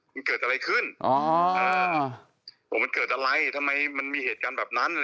มันเกิดอะไรขึ้นอ๋อเออมันเกิดอะไรทำไมมันมีเหตุการณ์แบบนั้น